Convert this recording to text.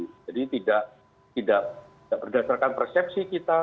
jadi tidak berdasarkan persepsi kita